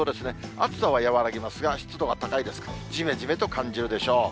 暑さは和らぎますが、湿度は高いですから、じめじめと感じるでしょう。